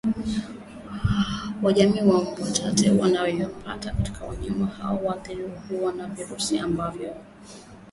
wa jamii ya mbwa Mate yanayotoka kwa mnyama huyo aliyeathiriwa huwa na virusi ambavyo